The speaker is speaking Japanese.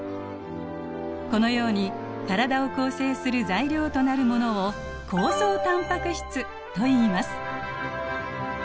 このように体を構成する材料となるものを構造タンパク質といいます。